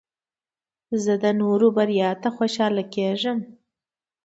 زه د نورو بریا ته خوشحاله کېږم.